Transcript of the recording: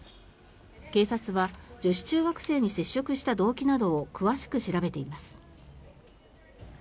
警察は女子中学生に接触した動機などを詳しく調べています。